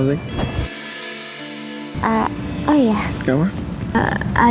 adik sama ibu kamu gimana